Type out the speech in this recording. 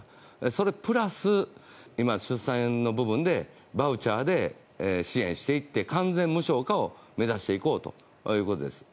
それプラス、出産の部分でバウチャーで支援していって、完全無償化を目指していこうということです。